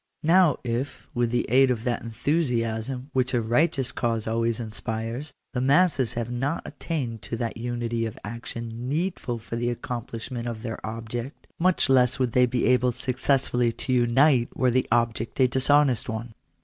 Now if, with the aid of that enthusiasm which a righteous cause always inspires, the masses have not attained to that unity of action needful for the ac complishment of their object, much less would they be able successftilly to unite were that object a dishonest one.